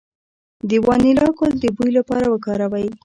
د وانیلا ګل د بوی لپاره وکاروئ